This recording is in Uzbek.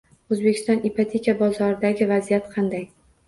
O‘zbekiston ipoteka bozoridagi vaziyat qanday?